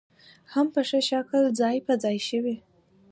هم په ښه شکل ځاى په ځاى شوې .